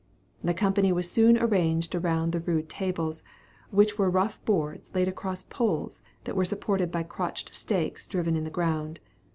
The company were soon arranged around the rude tables, which were rough boards, laid across poles that were supported by crotched stakes driven into the ground.